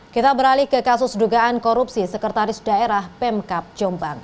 kita beralih ke kasus dugaan korupsi sekretaris daerah pemkap jombang